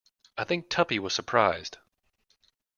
I think Tuppy was surprised.